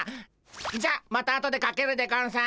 じゃあまたあとでかけるでゴンス。